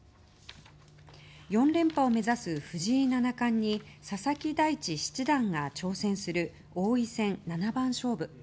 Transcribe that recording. ４連覇を目指す藤井七冠に佐々木大地七段が挑戦する王位戦七番勝負。